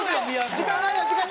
時間ないよ！